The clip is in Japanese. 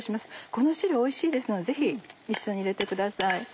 この汁おいしいですのでぜひ一緒に入れてください。